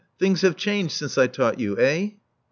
Things have changed since I taught you. Eh?"